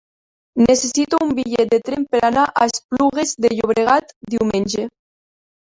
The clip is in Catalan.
Necessito un bitllet de tren per anar a Esplugues de Llobregat diumenge.